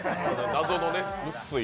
謎のうっすい